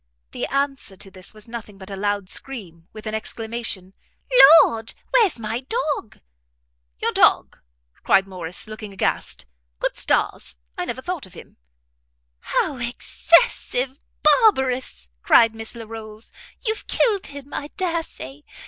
The answer to this was nothing but a loud scream, with an exclamation, "Lord, where's my dog?" "Your dog!" cried Morrice, looking aghast, "good stars! I never thought of him!" "How excessive barbarous!" cried Miss Larolles, "you've killed him, I dare say.